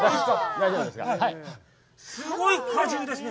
すごい果汁ですね！